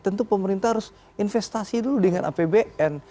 tentu pemerintah harus investasi dulu dengan apbn